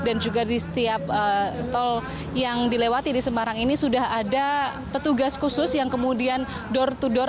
dan juga di setiap tol yang dilewati di sembarang ini sudah ada petugas khusus yang kemudian door to door